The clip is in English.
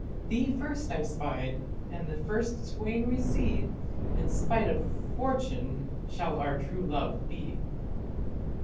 Thee first I spied, and the first swain we see, In spite of fortune, shall our true love be.